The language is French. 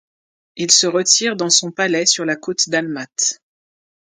Il se retire dans son palais sur la côte dalmate.